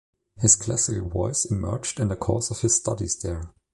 His classical voice emerged in the course of his studies there.